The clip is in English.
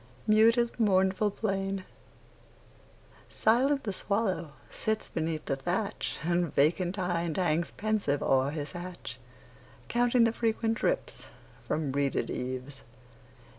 Mute is the mournful plain; Silent the swallow sits beneath the thatch, And vacant hind hangs pensive o'er his hatch, Counting the frequent drips from reeded eaves.